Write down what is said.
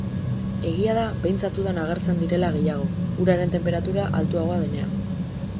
Egia da behintzat udan agertzen direla gehiago, uraren tenperatura altuagoa denean.